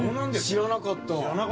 知らなかったわ。